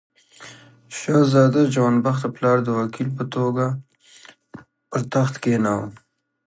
شهزاده جوان بخت د پلار د وکیل په حیث پر تخت کښېناوه.